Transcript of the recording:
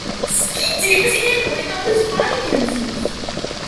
Ski Team's handling of his finances.